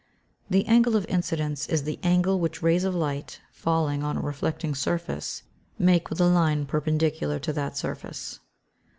_ The angle of incidence is the angle which rays of light, falling on a reflecting surface, make with a line perpendicular to that surface.